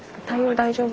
大丈夫。